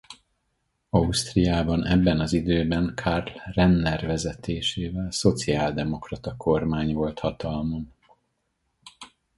Ausztriában ebben az időben Karl Renner vezetésével szociáldemokrata kormány volt hatalmon.